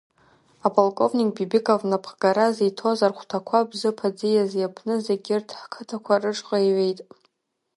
Аполковник Бибиков напхгара зиҭоз архәҭақәа Бзыԥ аӡиас иаԥныз егьырҭ ҳқыҭақәа рышҟа иҩеит.